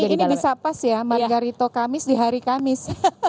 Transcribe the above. ini di sapas ya margarito kamis di hari kamis